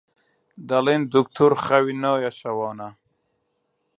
دەڵێن دوکتۆر خەوی نایە شەوانە